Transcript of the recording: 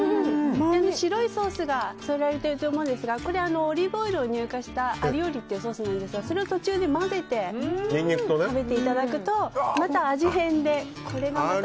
白いソースが添えられていると思うんですがこれはオリーブオイルを乳化したソースなんですがそれを途中で混ぜて食べていただくと味変で、これがまた。